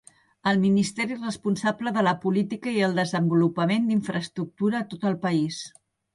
El Ministeri és responsable de la política i el desenvolupament d'infraestructura a tot el país.